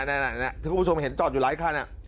ท่านคุณผู้ชมมาเห็นจอดอยู่ไล่นะ